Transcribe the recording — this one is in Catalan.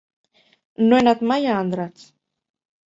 No he anat mai a Andratx.